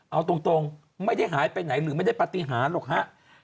เอาตรงไม่ได้หายไปไหนหรือไม่ได้ปฏิหารหรอกฮะ